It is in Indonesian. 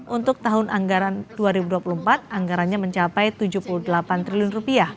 untuk tahun anggaran dua ribu dua puluh empat anggarannya mencapai rp tujuh puluh delapan triliun